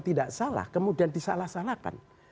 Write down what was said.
tidak salah kemudian disalah salahkan